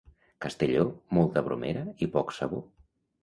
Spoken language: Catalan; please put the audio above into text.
Castelló, molta bromera i poc sabó.